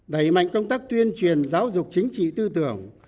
đẩy mạnh công tác tuyên truyền giáo dục chính trị tư tưởng